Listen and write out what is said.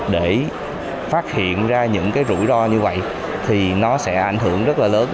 để phát hiện ra những cái rủi ro như vậy thì nó sẽ ảnh hưởng rất là lớn